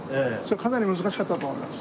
かなり難しかったと思います。